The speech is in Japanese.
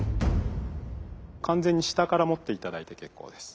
完全に下から持って頂いて結構です。